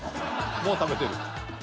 もう食べてる。